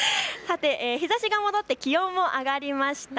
日ざしが戻って気温も上がりました。